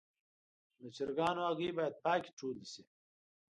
د چرګانو هګۍ باید پاکې ټولې شي.